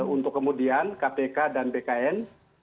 untuk kemudian kpk dan bkn